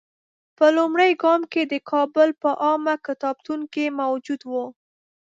په لومړي ګام کې د کابل په عامه کتابتون کې موجود وو.